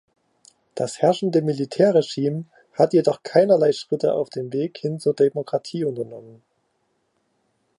Das herrschende Militärregime hat jedoch keinerlei Schritte auf dem Weg hin zu Demokratie unternommen.